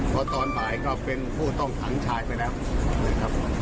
พอตอนบ่ายก็เป็นผู้ต้องขังชายไปแล้วนะครับ